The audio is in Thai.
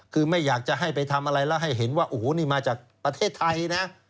คือไม่อยากจะให้ไปทำอะไรแล้วให้เห็นว่าโอ้โหนี่มาจากประเทศไทยนะ